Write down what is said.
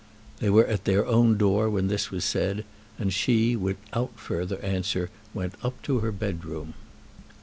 They were at their own door when this was said, and she, without further answer, went up to her bedroom.